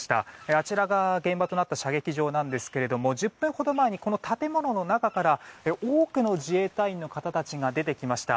あちらが現場となった射撃場なんですけれども１０分ほど前にこの建物の中から多くの自衛隊員の方たちが出てきました。